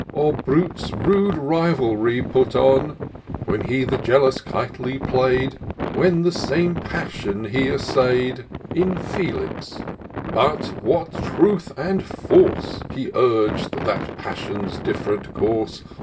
Or Brute's rude ribaldry put on ; When he the jealous Kitely play'd; When the same passion he essay'd In Felix ;— ^with what truth and force He urg'd that passion's diflfrent course